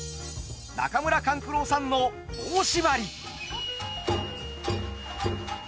中村勘九郎さんの「棒しばり」。